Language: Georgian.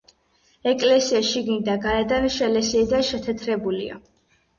ეკლესია შიგნით და გარედან შელესილი და შეთეთრებულია.